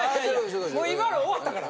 もう今の終わったから。